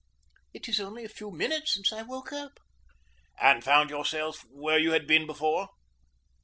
It is only a few minutes since I woke up." "And found yourself where you had been before?"